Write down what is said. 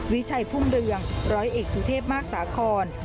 วิชัยพุ่มเรืองร้อยเอกสุเทพมากสาคอน